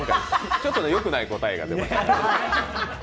ちょっとね、よくない答えが出ました。